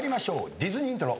ディズニーイントロ。